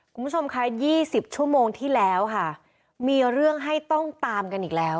คุณผู้ชมค่ะ๒๐ชั่วโมงที่แล้วค่ะมีเรื่องให้ต้องตามกันอีกแล้ว